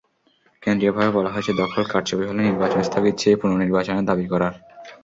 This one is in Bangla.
কেন্দ্রীয়ভাবে বলা হয়েছে, দখল, কারচুপি হলে নির্বাচন স্থগিত চেয়ে পুনর্নির্বাচনের দাবি করার।